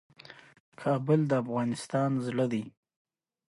د ګيلاني کول کمپني مشهور جوړي سر،